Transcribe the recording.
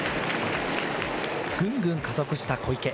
ぐんぐん加速した小池。